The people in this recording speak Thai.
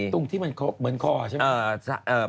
ตุ้งที่มันเหมือนคอใช่มั้ย